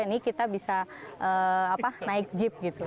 ini kita bisa naik jeep gitu